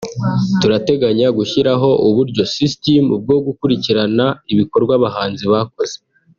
turateganya gushyiraho uburyo ’system’ bwo gukurikirana ibikorwa abahanzi bakoze